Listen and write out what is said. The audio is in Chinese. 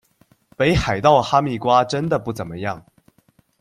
北海道哈密瓜真的不怎么样